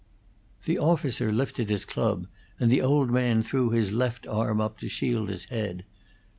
The officer lifted his club, and the old man threw his left arm up to shield his head.